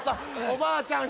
おばあちゃん。